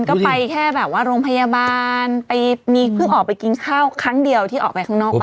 ก็ไปแค่แบบว่าโรงพยาบาลไปมีเพิ่งออกไปกินข้าวครั้งเดียวที่ออกไปข้างนอกบ้าน